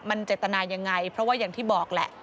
มันเจตนายังไงเพราะว่าอย่างที่บอกแหละ